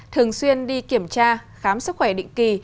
thường xuyên đi kiểm tra khám sức khỏe định kỳ